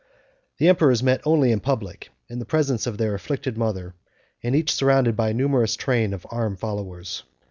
The emperors met only in public, in the presence of their afflicted mother; and each surrounded by a numerous train of armed followers.